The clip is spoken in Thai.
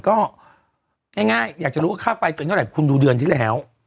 ก็ง่ายอยากจะรู้ว่าค่าไฟเป็นเท่าไหร่คุณดูเดือนที่แล้ว